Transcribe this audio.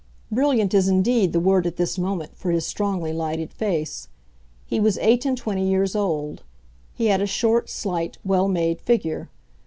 Brilliant is indeed the word at this moment for his strongly lighted face. He was eight and twenty years old; he had a short, slight, well made figure.